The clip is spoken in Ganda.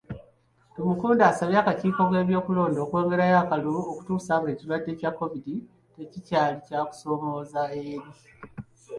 Tumukunde asabye akakiiko k'ebyokulonda okwongerayo akalulu okutuusa ng'ekirwadde kya Kovidi tekikyali kusoomooza eri eggwanga.